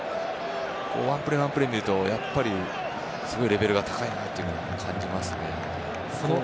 ワンプレー、ワンプレーを見るとすごいレベルが高いなと感じますね。